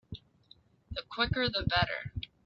The quicker the better.